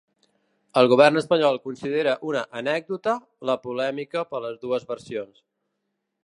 El govern espanyol considera una ‘anècdota’ la polèmica per les dues versions.